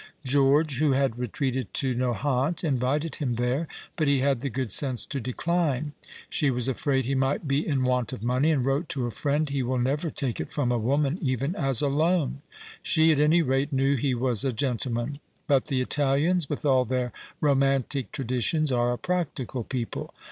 George, who had retreated to Nohant, invited him there, but he had the good sense to dechne. She was afraid he might be in want of monej^ and wrote to a friend, " he will never take it from a woman, even as a loan." She, at any rate, knew he was a gentleman. But the Italians, with all their romantic traditions, are a practical people.